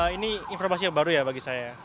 ini informasi yang baru ya bagi saya